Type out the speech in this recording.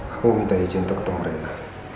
aku minta izin untuk ketemu mereka